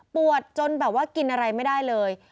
ปวดจนกินอะไรไม่ได้เลย